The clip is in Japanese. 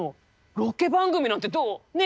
ロケ番組なんてどう？ねえ？